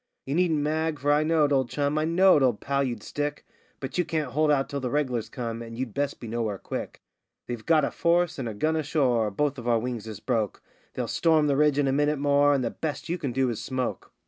You needn't mag, for I knowed, old chum, I knowed, old pal, you'd stick; But you can't hold out till the reg'lars come, and you'd best be nowhere quick. They've got a force and a gun ashore, both of our wings is broke; They'll storm the ridge in a minute more, and the best you can do is smoke.